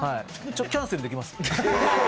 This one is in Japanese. ちょっと、キャンセルできます？